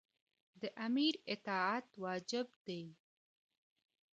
د امیر اطاعت واجب دی.